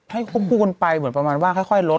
ควบคู่กันไปเหมือนประมาณว่าค่อยลด